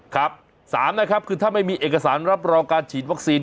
ครับ๓นะครับคือถ้าไม่มีเอกสารรับรองการฉีดวัคซีน